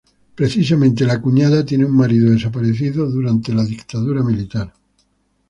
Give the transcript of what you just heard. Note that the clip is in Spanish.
Precisamente "la cuñada" tiene un marido desaparecido durante la dictadura militar.